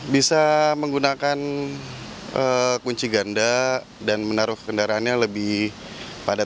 bisa menggunakan kunci ganda dan menaruh kendaraannya lebih padat